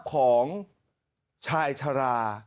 ของชายชรา